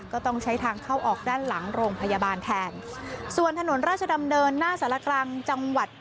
ก็ต้องใช้ทางเข้าออกด้านหลังโรงพยาบาลแทนส่วนถนนราชดำเนินหน้าสารกลางจังหวัด